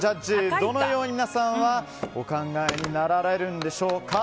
どのように皆さんはお考えになられるんでしょうか。